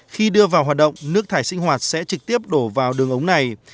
khi đưa vào hoạt động nước thải sinh hoạt sẽ trực tiếp đổ vào đường ống này